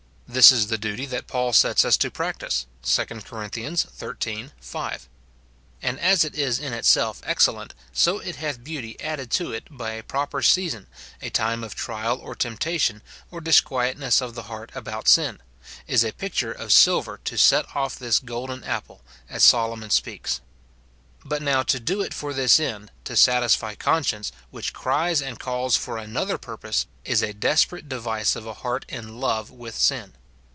* This is the duty that Paul sets us to practise, 2 Cor. xiii. 5. And as it is in itself ex cellent, so it hath beauty added to it by a proper season, a time of trial or temptation, or disquietness of the heart about sin, — is a picture of silver to set off this golden apple, as Solomon speaks. But now to do it for this end, to satisfy conscience, which cries and calls for an other purpose, is a desperate device of a heart in love with sin.